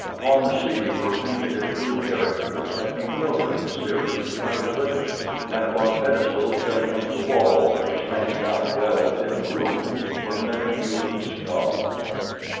Upon the ceiling were painted in blue characters a bewildering series of hieroglyphics and upon pedestals set against the walls or standing out well within the room were many human skulls.